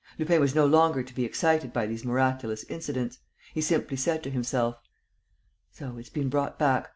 Lupin was no longer to be excited by these miraculous incidents. He simply said to himself: "So it's been brought back.